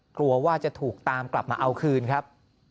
กลัวว่าจะถูกตามกลับมาเอาคืนครับ